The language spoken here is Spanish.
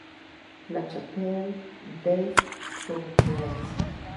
La Chapelle-des-Fougeretz